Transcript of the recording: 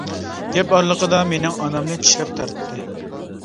گەپ ئارىلىقىدا مېنىڭ ئانامنى چىشلەپ تارتتى.